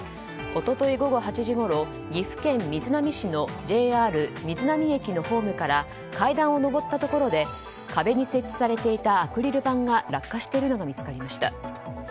一昨日午後８時ごろ岐阜県瑞浪市のＪＲ瑞浪駅のホームから階段を上ったところで壁に設置されていたアクリル板が落下しているのが見つかりました。